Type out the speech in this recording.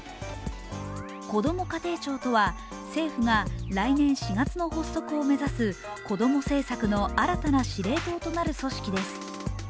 こども家庭庁とは、政府が来年４月の発足を目指す子ども政策の新たな司令塔となる組織です。